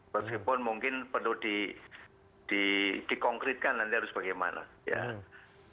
meskipun mungkin perlu di di di konkretkan nanti harus bagaimana ya